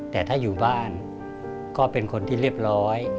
แต่ถ้าอยู่บ้านก็เป็นคนที่เรียบร้อย